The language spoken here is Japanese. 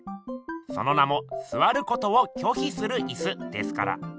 その名も「坐ることを拒否する椅子」ですから。